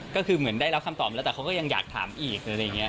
ก็คือเหมือนได้รับคำตอบมาแล้วแต่เขาก็ยังอยากถามอีกอะไรอย่างนี้